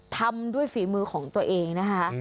ทำด้วยฝีมือของตัวเองนะคะ